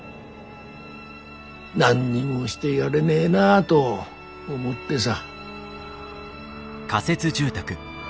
何にもしてやれねえなあど思ってさ。